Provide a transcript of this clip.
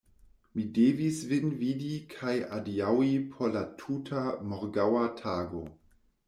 Mi devis vin vidi kaj adiaŭi por la tuta morgaŭa tago.